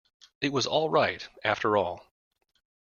It was all right, after all.